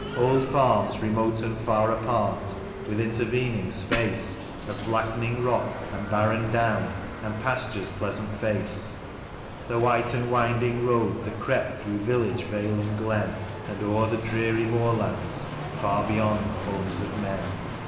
Old farms remote and far apart, with intervening space Of black'ning rock, and barren down, and pasture's pleasant face ; The white and winding road, that crept through village, vale, and glen, And o'er the dreary moorlands, far beyond the homes of men.